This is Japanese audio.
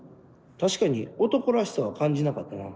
確かに男らしさは感じなかったな。